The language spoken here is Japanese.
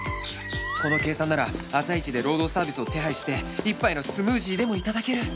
この計算なら朝一でロードサービスを手配して一杯のスムージーでも頂ける！